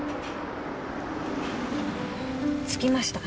着きました。